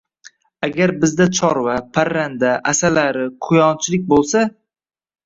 Agar bizda chorva, parranda, asalari, quyonchilik bo‘lsa